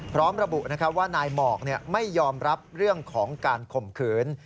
พร้อมระบุว่านายหมอกไม่ยอมรับเรื่องของการข่มขืน